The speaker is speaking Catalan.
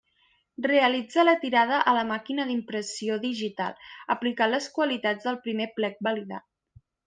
Realitza la tirada a la màquina d'impressió digital, aplicant les qualitats del primer plec validat.